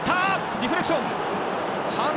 ディフレクション。